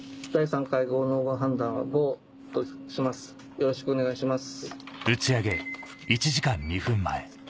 よろしくお願いします。